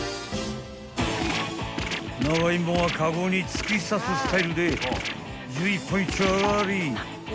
［長芋はカゴに突き刺すスタイルで１１本一丁あがり］